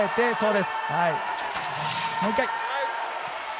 もう一回。